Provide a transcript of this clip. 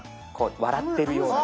笑ってるような。